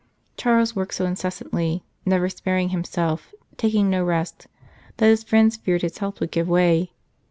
Charles worked so incessantly, never sparing himself, taking no rest, that his friends feared his health would give way.